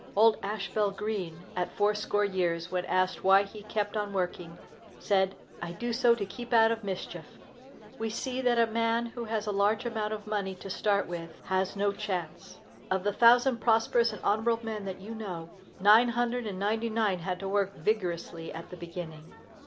Old Ashbel Green, at fourscore years, when asked why he kept on working, said, "I do so to keep out of mischief." We see that a man who has a large amount of money to start with has no chance. Of the thousand prosperous and honorable men that you know, nine hundred and ninety nine had to work vigorously at the beginning.